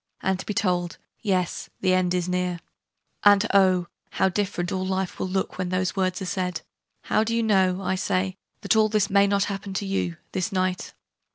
and to be told "Yes: the end is near" (and oh, how different all Life will look when those words are said!) how do you know, I say, that all this may not happen to you, this night?